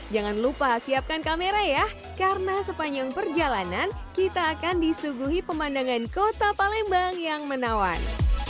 jangan lupa siapkan kamera ya karena sepanjang perjalanan kita akan disuguhi pemandangan kota palembang yang menawan